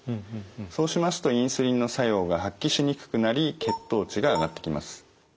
そうしますとインスリンの作用が発揮しにくくなり血糖値が上がってきます。